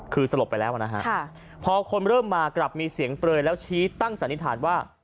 คือสลบไปแล้วนะฮะพอคนเริ่มมากลับมีเสียงเปลยแล้วชี้ตั้งสันนิษฐานว่า